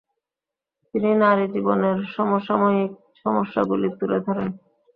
তিনি নারীজীবনের সমসাময়িক সমস্যাগুলি তুলে ধরেন।